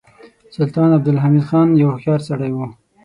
سلطان عبدالحمید خان یو هوښیار سړی و.